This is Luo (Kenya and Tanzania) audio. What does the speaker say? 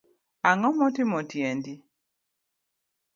Angomotimo tiendi